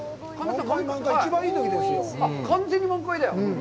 完全に満開だよ。